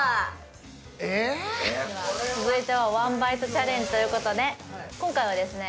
え続いてはワンバイトチャレンジということで今回はですね